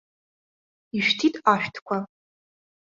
Ишәҭит ашәҭқәа.